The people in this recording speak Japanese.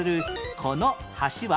この橋は？